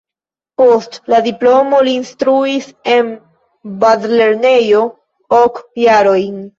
Post la diplomo li instruis en bazlernejo ok jarojn.